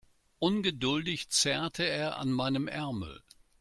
Ungeduldig zerrte er an meinem Ärmel.